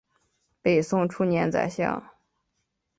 北宋初年宰相。